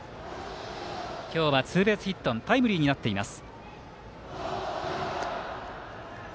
今日はツーベースヒットタイムリーになっています。